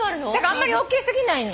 あんまり大き過ぎないの。